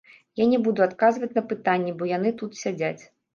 Я не буду адказваць на пытанні, бо яны тут сядзяць.